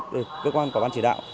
từ cơ quan của ban chỉ đạo